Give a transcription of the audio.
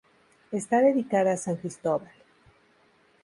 Está dedicada a San Cristóbal.